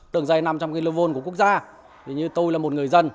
đường dây năm trăm linh kv của quốc gia như tôi là một người dân